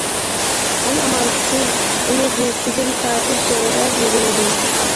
مەن ئامالسىز ئۇنى بىلىكىدىن تارتىپ سۆرەپ يۈگۈردۈم.